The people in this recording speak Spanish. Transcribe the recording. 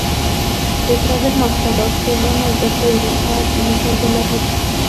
Detrás del mostrador, seguían Alberto Irízar y Vicente La Russa.